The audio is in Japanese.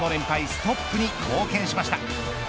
ストップに貢献しました。